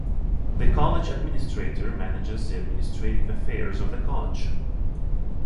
The College Administrator manages the administrative affairs of the college.